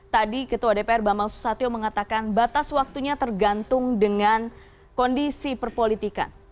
tadi ketua dpr bambang susatyo mengatakan batas waktunya tergantung dengan kondisi perpolitikan